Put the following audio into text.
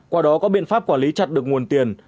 qua đó có biện pháp quản lý chặt được nguồn tiền